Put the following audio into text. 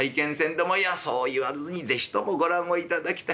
「いやそう言わずに是非ともご覧をいただきたい。